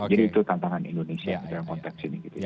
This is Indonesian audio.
jadi itu tantangan indonesia dalam konteks ini